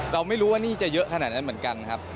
เราไม่รู้ว่าหนี้จะเยอะขนาดนั้นเหมือนกันครับ